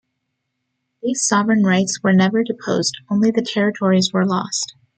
These sovereign rights were never deposed, only the territories were lost.